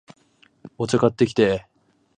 お茶、買ってきて